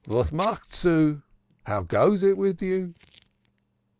"How goes it with you?"